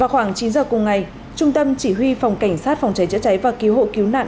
khoảng chín giờ cùng ngày trung tâm chỉ huy phòng cảnh sát phòng cháy chữa cháy và cứu hộ cứu nạn